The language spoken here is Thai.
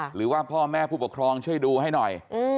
หรือว่าพ่อแม่ผู้ปกครองช่วยดูให้หน่อย